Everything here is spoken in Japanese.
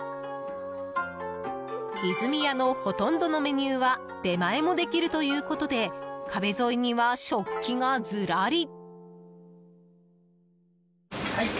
いづみ家のほとんどのメニューは出前もできるということで壁沿いには食器がずらり。